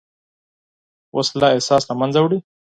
وسله احساس له منځه وړي